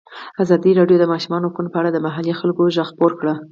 ازادي راډیو د د ماشومانو حقونه په اړه د محلي خلکو غږ خپور کړی.